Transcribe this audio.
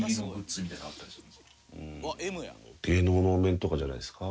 芸能のお面とかじゃないですか？